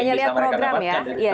hanya melihat program ya